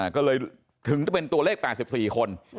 ก็เลยถึงจะเป็นตัวเลข๘๔คน